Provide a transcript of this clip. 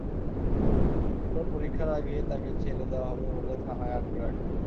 এরপর পরীক্ষার আগেই তাকে ছেড়ে দেওয়া হবে বলে থানায় আটকে রাখেন।